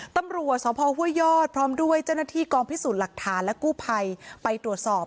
ตำรวจสพห้วยยอดพร้อมด้วยเจ้าหน้าที่กองพิสูจน์หลักฐานและกู้ภัยไปตรวจสอบ